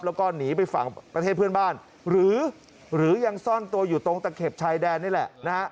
แล้วก็หนีไปฝั่งประเทศเพื่อนบ้านหรือยังซ่อนตัวอยู่ตรงตะเข็บชายแดนนี่แหละนะฮะ